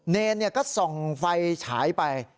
เนรก็ส่องไฟฉายไป